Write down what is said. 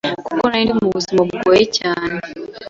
kuko narindi mu buzima bungoye cyane,